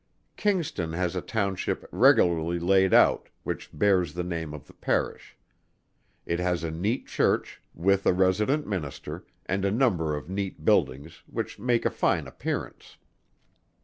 Kingston has a Township regularly laid out, which bears the name of the Parish. It has a neat Church, with a resident Minister, and a number of neat buildings, which make a fine appearance.